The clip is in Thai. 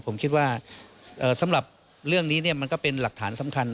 ผมคิดว่าสำหรับเรื่องนี้มันก็เป็นหลักฐานสำคัญ